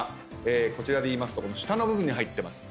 こちらでいいますと下の部分に入ってます。